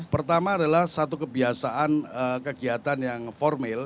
pertama adalah satu kebiasaan kegiatan yang formil